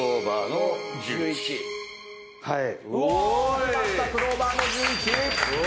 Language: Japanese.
きましたクローバーの１１！